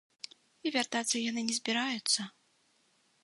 І вяртацца яны не збіраюцца.